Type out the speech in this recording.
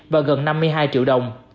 và gần năm mươi hai triệu đồng